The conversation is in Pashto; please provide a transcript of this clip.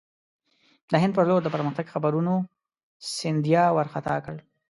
د هند پر لور د پرمختګ خبرونو سیندیا وارخطا کړ.